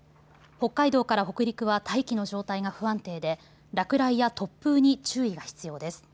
北海道から北陸は大気の状態が不安定で落雷や突風に注意が必要です。